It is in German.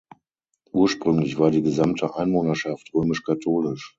Ursprünglich war die gesamte Einwohnerschaft römisch-katholisch.